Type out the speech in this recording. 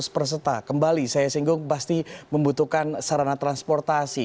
sembilan belas delapan ratus peserta kembali saya singgung pasti membutuhkan sarana transportasi